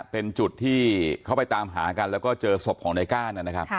เป็นจุดที่เขาไปตามหากันแล้วก็เจอศพของนายก้าน